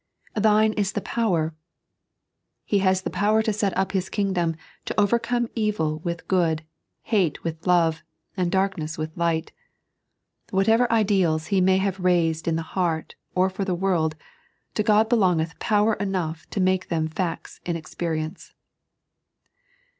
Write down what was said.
" Thine is tha povMr." He has the power to set up His Kingdom, to overcome evil with good, hate with love, and darkness with light. Whatever ideals He may have raised in the heart or for the world, to God belongeth power enough to make them facts in experience.